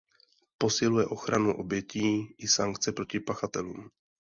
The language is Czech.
Posiluje ochranu obětí i sankce proti pachatelům.